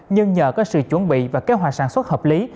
nhưng nhờ có sự chuẩn bị và kế hoạch sản xuất hợp lý